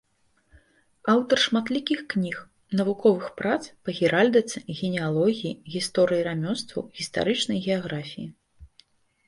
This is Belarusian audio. Аўтар шматлікіх кніг, навуковых прац па геральдыцы, генеалогіі, гісторыі рамёстваў, гістарычнай геаграфіі.